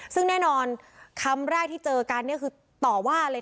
ซึ่งแน่นอนคำแรกที่เจอกันเนี่ยคือต่อว่าเลย